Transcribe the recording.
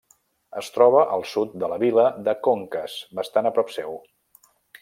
Es troba al sud de la vila de Conques, bastant a prop seu.